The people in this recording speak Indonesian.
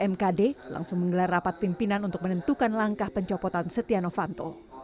mkd langsung menggelar rapat pimpinan untuk menentukan langkah pencopotan setia novanto